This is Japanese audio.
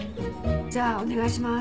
じゃあお願いします。